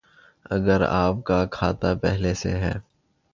اگر آپ کا کھاتہ پہلے سے ہے